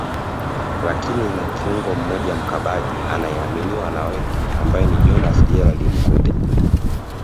lakini ina kiungo mmoja mkabaji anayeaminiwa na wengi ambaye ni Jonas Gerald Mkude